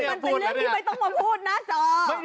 มันเป็นเรื่องที่ไม่ต้องมาพูดหน้าจอ